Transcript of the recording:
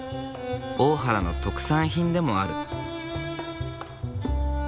大原の特産品でもある。